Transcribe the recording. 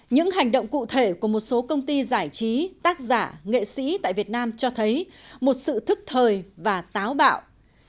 những hành động cụ thể của một số công ty giải trí tác giả nghệ sĩ tại việt nam cho thấy một sự thức thời và táo bạo